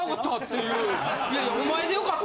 いやいやお前でよかった。